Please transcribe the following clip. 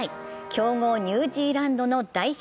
強豪ニュージーランドの代表